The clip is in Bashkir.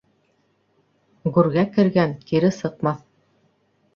Гүргә кергән кире сыҡмаҫ.